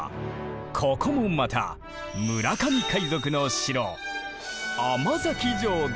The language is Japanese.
ここもまた村上海賊の城甘崎城だ。